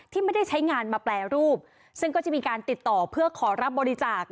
ไม่ได้ใช้งานมาแปรรูปซึ่งก็จะมีการติดต่อเพื่อขอรับบริจาค